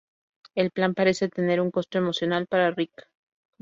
El plan parece tener un costo emocional para Rick.